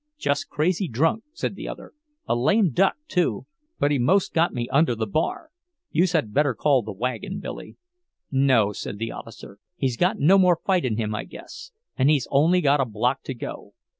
"Just crazy drunk," said the other. "A lame duck, too—but he 'most got me under the bar. Youse had better call the wagon, Billy." "No," said the officer. "He's got no more fight in him, I guess—and he's only got a block to go."